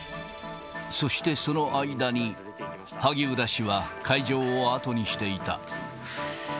そして、その間に萩生田氏は会場を後にしていた。